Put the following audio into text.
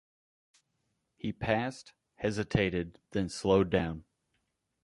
He passed, hesitated, then slowed down.